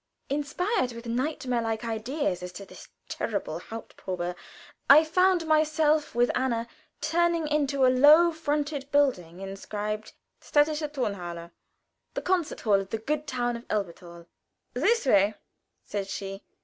Inspired with nightmare like ideas as to this terrible haupt probe, I found myself, with Anna, turning into a low fronted building inscribed "Städtische Tonhalle," the concert hall of the good town of Elberthal. "This way," said she.